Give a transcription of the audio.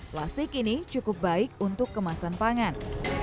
plastik ini cukup baik untuk kemasan pangan